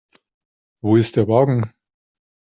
Wo ist der Wagen?